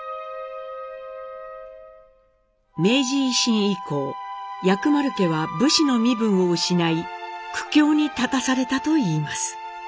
明治維新以降薬丸家は武士の身分を失い苦境に立たされたといいます。